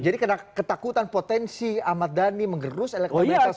jadi karena ketakutan potensi ahmad dhani mengerus elektabilitas